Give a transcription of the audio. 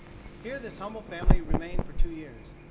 Here this humble family remained for two years.